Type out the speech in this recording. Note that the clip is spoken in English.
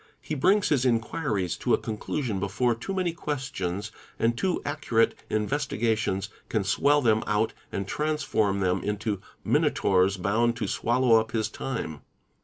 He brings his inquiries to a conclusion before too many questions and too accurate investi gations can swell them out and transform them into minotaurs bound to swallow up his time.